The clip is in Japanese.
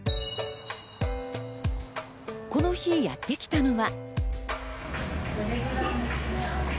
この日やってきたのは。